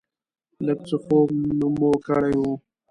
لږ څه خوب مو کړی و.